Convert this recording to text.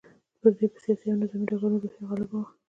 پر دوی په سیاسي او نظامي ډګرونو روحیه غالبه وه.